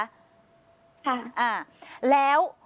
อ่าแล้ว